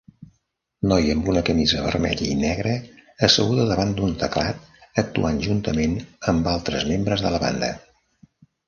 Noia amb una camisa vermella i negra asseguda davant d'un teclat actuant juntament amb altres membres de la banda.